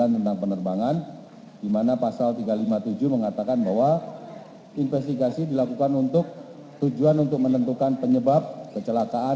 tentang penerbangan di mana pasal tiga ratus lima puluh tujuh mengatakan bahwa investigasi dilakukan untuk tujuan untuk menentukan penyebab kecelakaan